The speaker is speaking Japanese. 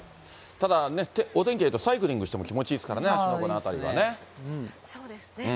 ただね、お天気いいとサイクリングしても気持ちいいですからね、芦ノ湖のそうですね。